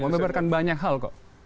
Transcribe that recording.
membarkan banyak hal kok